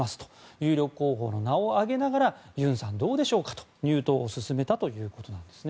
有力候補の名を挙げながらユンさん、どうでしょうかと入党を勧めたということです。